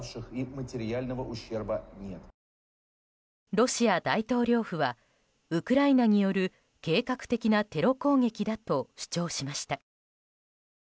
ロシア大統領府はウクライナによる計画的なテロ攻撃だと主張しました。